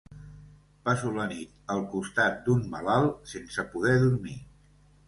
Passo la nit al costat d'un malalt, sense poder dormir.